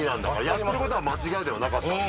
やってることは間違いではなかった。